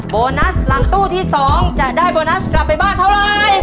โบนัสหลังตู้ที่๒จะได้โบนัสกลับไปบ้านเท่าไร